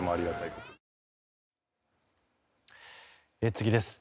次です。